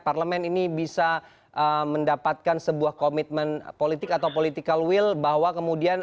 parlemen ini bisa mendapatkan sebuah komitmen politik atau political will bahwa kemudian